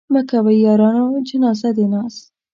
مه کوئ يارانو جنازه د ناز